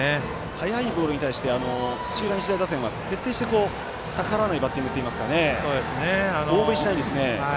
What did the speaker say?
速いボールに対して土浦日大打線は徹底して逆らわないバッティングといいますか大振りしないんですね。